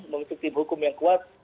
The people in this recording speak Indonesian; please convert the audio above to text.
membentuk tim hukum yang kuat